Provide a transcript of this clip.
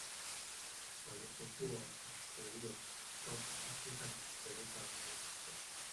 Walipokuwa wakichukuliwa kutoka Afrika na kupelekwa Amerika